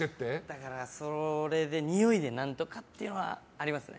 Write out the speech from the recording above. だからそれでにおいで何とかっていうのはありますね。